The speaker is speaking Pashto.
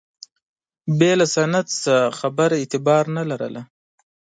بې له سند څخه خبره اعتبار نه لرله.